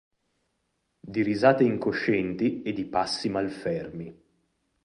Di risate incoscienti e di passi malfermi.